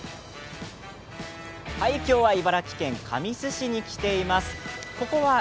茨城県神栖市に来ています。